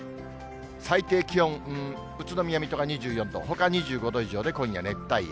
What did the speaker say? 最低気温、宇都宮、水戸が２４度、ほか２５度以上で今夜熱帯夜。